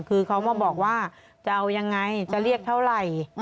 คือเขามาบอกว่าจะเอายังไงจะเรียกเท่าไหร่